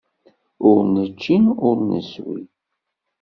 Ur nečči ur neswi.